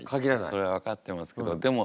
それは分かってますけどでも